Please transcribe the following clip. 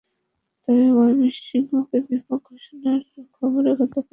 তবে ময়মনসিংহকে বিভাগ ঘোষণার খবরে গতকাল তাৎক্ষণিকভাবে টাঙ্গাইলে বিক্ষোভ মিছিল এবং সমাবেশ হয়েছে।